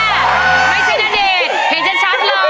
ไม่ใช่ณเดชน์เห็นชัดเลย